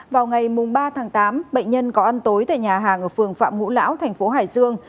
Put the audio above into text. vào ngày ba tháng tám bệnh nhân có ăn tối tại nhà hàng ở phường phạm ngũ lão thành phố hải dương